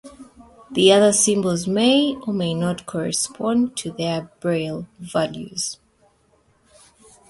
The other symbols may or may not correspond to their Braille values.